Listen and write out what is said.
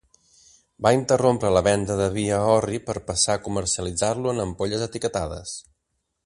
Va interrompre la venda de vi a orri per passar a comercialitzar-lo en ampolles etiquetades.